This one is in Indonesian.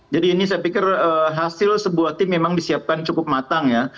jadi ini saya pikir hasil sebuah tim memang disiapkan cukup matang ya